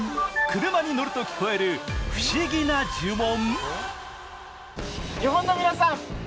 車に乗ると聞こえる不思議な呪文？